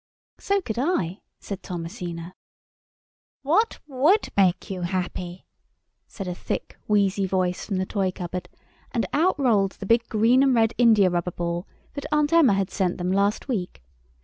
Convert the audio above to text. "So could I," said Thomasina. "What would make you happy?" said a thick, wheezy voice from the toy cupboard, and out rolled the big green and red india rubber ball that Aunt Emma had sent them last week.